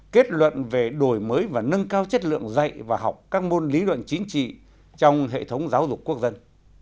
kết luận về đổi mới và nâng cao chất lượng dạy và học các môn lý luận chính trị trong hệ thống giáo dục quốc dân